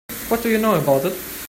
What do you know about it?